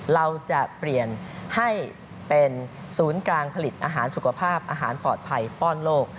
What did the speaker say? เราจะเปลี่ยนให้เป็นศูนย์กลางผลิตอาหารสุขภาพอาหารปลอดภัยป้อนโลก